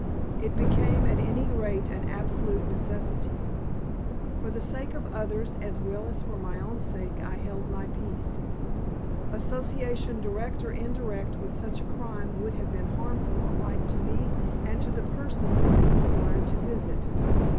It became at any rate an absolute necessity. For the sake of others as well as for my own sake I held my peace. Association direct or indirect with such a crime would have been harmful alike to me and to the person whom he desired to visit.